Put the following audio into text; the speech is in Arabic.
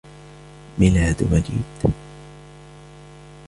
ميلاد مجيد.